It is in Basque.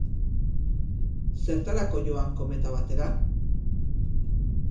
Zertarako joan kometa batera?